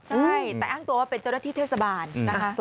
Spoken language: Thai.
ใช่แต่อ้างตัวว่าเป็นเจ้าหน้าที่เทศบาลนะคะ